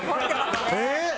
えっ？